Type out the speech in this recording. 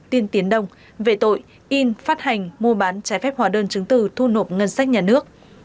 tiên tiến đông về tội in phát hành mua bán trái phép hóa đơn chứng từ thu nộp ngân sách nhà nước